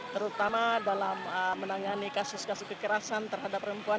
terutama dalam menangani kasus kasus kekerasan terhadap perempuan